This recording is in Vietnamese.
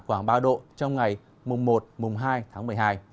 khoảng ba độ trong ngày một hai tháng một mươi hai